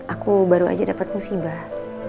aku baru aja dapat musibah